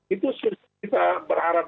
itu sudah bisa berharap